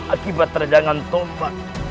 akibat terdangan tombak